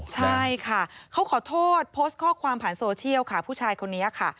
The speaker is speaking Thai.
ใช่ค่ะเขาขอโทษโพสต์ข้อความผ่านโซเชียลค่ะผู้ชายคนนี้ค่ะ